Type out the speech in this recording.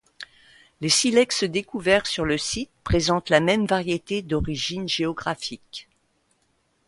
Les silex découverts sur le site présentent la même variété d'origines géographiques.